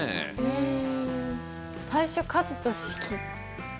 うん。